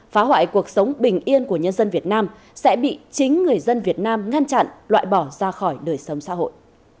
phá hoại cuộc sống bình yên của nhân dân việt nam sẽ bị chính người dân việt nam ngăn chặn loại bỏ ra khỏi đời sống xã hội